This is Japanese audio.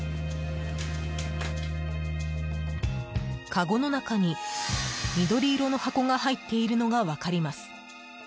かごの中に緑色の箱が入っているのが分かります。